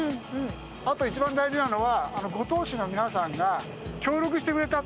あと一番大事なのは五島市の皆さんが協力してくれたということです。